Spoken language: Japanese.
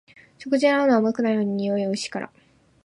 食事に合うのは甘くないのにおいしいから